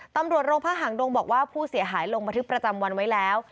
ตำรวจโรงพักหางดงบอกว่าผู้เสียหายลงบันทึกประจำวันไว้แล้ว